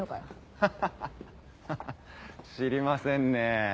ハハハハ知りませんね。